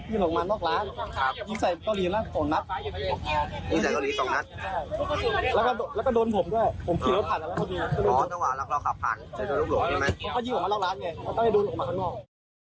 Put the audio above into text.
พออยู่ข้างเราระครั้งไงเพราะต้องให้ดูหลังมาแข็งลอง